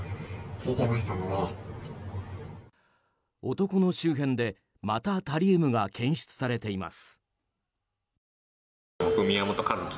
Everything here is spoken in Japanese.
男の周辺で、またタリウムが検出されています。